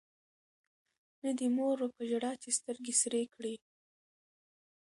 نه دي مور وه په ژړا چي سترګي سرې کړي